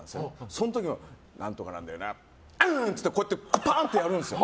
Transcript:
その時も、何とかなんだよなってうーん！って言ってこうやってパン！ってやるんです。